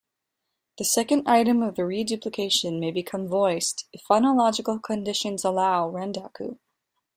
The second item of the reduplication may become voiced if phonological conditions allow, rendaku.